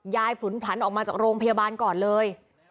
ผลุนผลันออกมาจากโรงพยาบาลก่อนเลย